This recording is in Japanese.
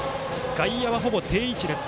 外野は、ほぼ定位置です